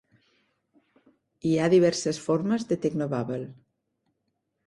Hi ha diverses formes de "technobabble".